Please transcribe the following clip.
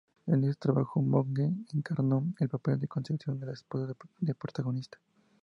En este trabajo, Monge encarnó el papel de Concepción, la esposa del protagonista.